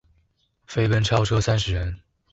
飛奔超車三十人